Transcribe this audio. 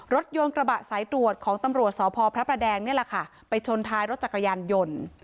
รถกระบะสายตรวจของตำรวจสพพระประแดงนี่แหละค่ะไปชนท้ายรถจักรยานยนต์